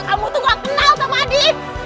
kamu tuh gak kenal sama adit